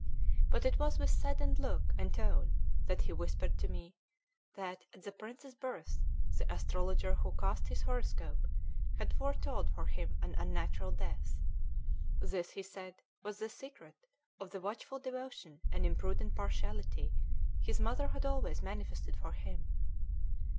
But it was with saddened look and tone that he whispered to me, that, at the prince's birth, the astrologer who cast his horoscope had foretold for him an unnatural death. This, he said, was the secret of the watchful devotion and imprudent partiality his mother had always manifested for him.